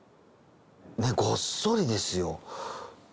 ごっそりですよ。